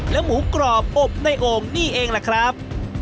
หมูกรอบอบในโอ่งนี่เองล่ะครับ